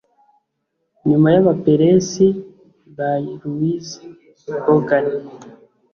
"nyuma y'abaperesi" by louise bogan